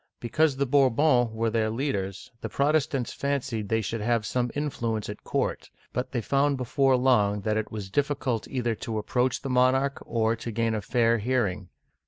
Because the Bourbons were their leaders, the Protestants fancied they should have some influence at court ; but they found before long that it was difficult either to approach the monarch, or to gain a fair hearing.